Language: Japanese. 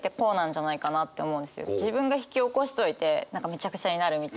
自分が引き起こしといて何かめちゃくちゃになるみたいな。